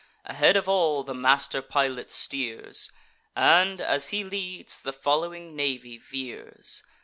Ahead of all the master pilot steers; And, as he leads, the following navy veers.